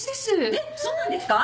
えっそうなんですか？